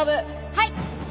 はい。